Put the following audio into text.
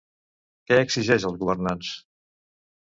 Què exigeix als governants?